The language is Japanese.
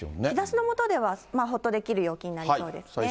日ざしの下ではほっとできるよう気になりそうです。